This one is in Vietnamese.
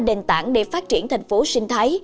đền tảng để phát triển thành phố sinh thái